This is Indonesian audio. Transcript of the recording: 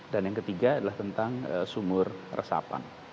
dan yang ketiga adalah tentang sumur resapan